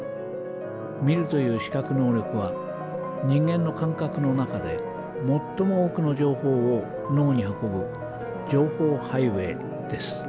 見るという視覚能力は人間の感覚の中で最も多くの情報を脳に運ぶ情報ハイウエーです。